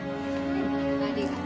ありがと。